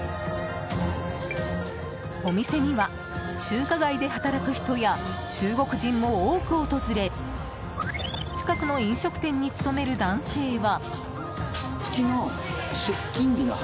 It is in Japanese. お店には中華街で働く人や中国人も多く訪れ近くの飲食店に勤める男性は。